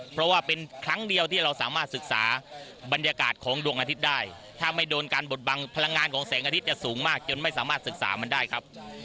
เพราะว่าเป็นครั้งเดียวที่เราสามารถศึกษาบรรยากาศของดวงอาทิตย์ได้ถ้าไม่โดนการบดบังพลังงานของแสงอาทิตย์จะสูงมากจนไม่สามารถศึกษามันได้ครับ